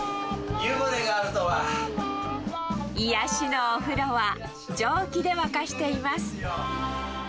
癒やしのお風呂は、蒸気で沸かしています。